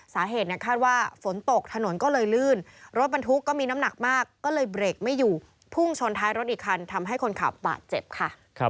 สาเหตุคาดว่าฝนตกถนนก็เลยลื่นรถบรรทุกก็มีน้ำหนักมากก็เลยเบรกไม่อยู่พุ่งชนท้ายรถอีกคันทำให้คนขับบาดเจ็บค่ะ